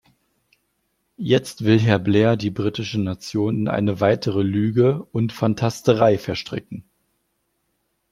Jetzt will Herr Blair die britische Nation in eine weitere Lüge und Fantasterei verstricken.